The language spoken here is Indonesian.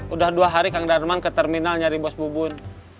udah dua hari kang darman ke terminal nyari bos bubur